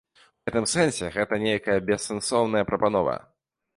У гэтым сэнсе гэта нейкая бессэнсоўная прапанова.